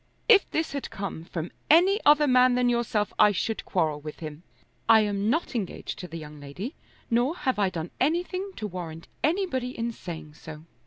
"If this had come from any other man than yourself I should quarrel with him. I am not engaged to the young lady, nor have I done anything to warrant anybody in saying so."